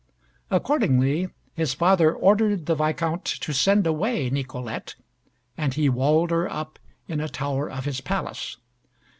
Accordingly his father ordered the Viscount to send away Nicolette, and he walled her up in a tower of his palace.